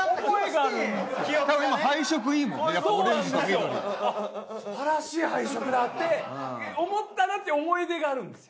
あっ素晴らしい配色だ！って思ったなっていう思い出があるんですよ。